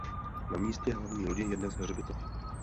Na místě hlavní lodi je dnes hřbitov.